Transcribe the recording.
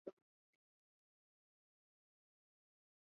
分区委员会的主席又成为民政区委员会的成员。